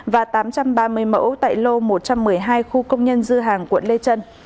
và tám trăm ba mươi mẫu tại lô một trăm một mươi hai khu công nhân dư hàng quận lê trân